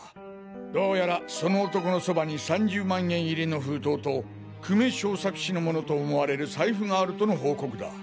どうやらその男のそばに３０万円入りの封筒と久米庄作氏のものと思われる財布があるとの報告だ。